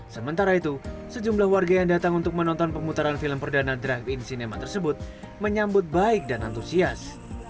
sementara itu sejumlah warga yang datang untuk menonton pemutaran film perdana drive in cinema tersebut menyambut baik dan antusias